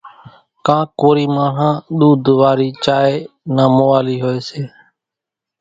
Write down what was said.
ڪانڪ ڪورِي ماڻۿان ۮوڌ وارِي چائيَ نان موالِي هوئيَ سي۔